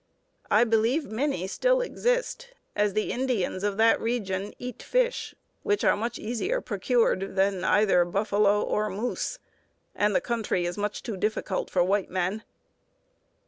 I believe many still exist, as the Indians of that region eat fish, which are much easier procured than either buffalo or moose, and the country is much too difficult for white men."